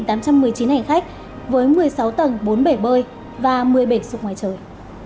đã phục vụ tới bốn tám trăm một mươi chín hành khách với một mươi sáu tầng bốn bể bơi và một mươi bể sục ngoài trời